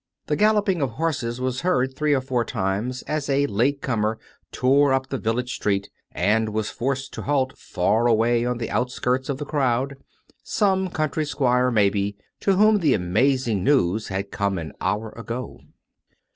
The galloping of horses was heard three or four times as a late comer tore up the village street and was forced to halt far away on the out skirts of the crowd — some country squire, maybe, to whom the amazing news had come an hour ago.